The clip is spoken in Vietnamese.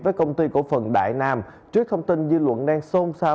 với công ty cổ phần đại nam trước thông tin dư luận đang xôn xao